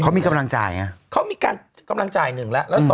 เขามีการกำลังจ่าย๑แล้ว๒